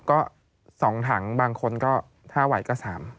ก็๒ถังบางคนก็ถ้าไหวก็๓